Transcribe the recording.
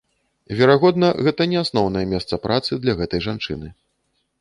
Верагодна, гэта не асноўнае месца працы для гэтай жанчыны.